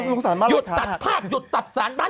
หยุดตัดภาพหยุดตัดสารบ้าน